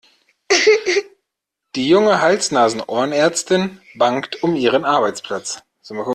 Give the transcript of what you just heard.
Die junge Hals-Nasen-Ohren-Ärztin bangt um ihren Arbeitsplatz.